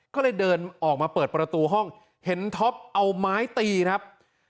ก็เลยเดินออกมาเปิดประตูห้องเห็นท็อปเอาไม้ตีครับ